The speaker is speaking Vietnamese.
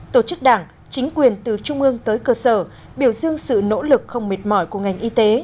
tổ chức đảng chính quyền từ trung ương tới cơ sở biểu dương sự nỗ lực không mệt mỏi của ngành y tế